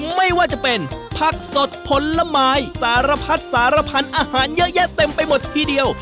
ไม่ว่าจะเป็นผักสดผลไม้สารพัดสารพันธุ์อาหารเยอะแยะเต็มไปหมดทีเดียว